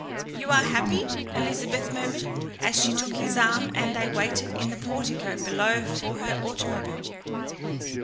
"You are happy?" Elizabeth murmured, as she took his arm and they waited in the portico below for her automobile.